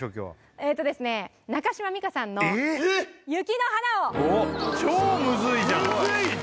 えとですね中島美嘉さんのえっ！？「雪の華」を超ムズいじゃんフ！